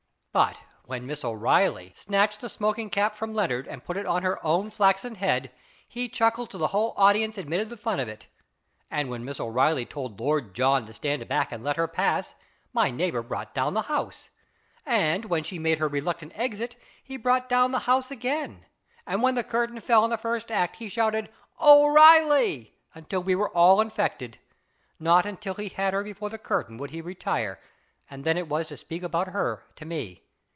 15 242 IS IT A MAN? But when Miss O'Reilly snatched the smoking cap from Leonard and put it on her own flaxen head, he chuckled till the whole audience admitted the fun of it, and when Miss O'Reilly told Lord John to stand back and let her pass, my neighbour brought down the house ; and when she made her reluctant exit he brought down the house again ; and when the curtain fell on the first act he shouted " O'Reilly " until we were all infected. Not until he had her before the curtain would he retire, and then it was to speak about her to me.